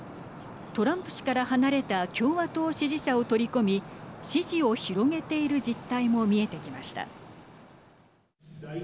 トランプ氏から離れた共和党支持者を取り込み支持を広げている実態も見えてきました。